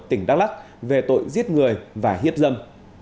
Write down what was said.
tỉnh đắk lắc về tội giết người và hiếp dâm